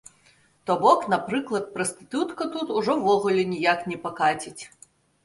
То бок, напрыклад, прастытутка тут ужо ўвогуле ніяк не пакаціць.